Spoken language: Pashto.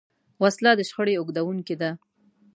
وسله د شخړې اوږدوونکې ده